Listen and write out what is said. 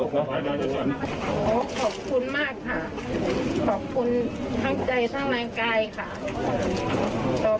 ขอบคุณมากค่ะขอบคุณทั้งใจทั้งร่างกายค่ะ